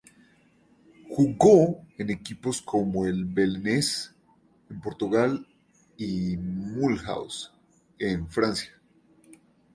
Jugó en equipos como el Belenenses, en Portugal, y Mulhouse, en Francia.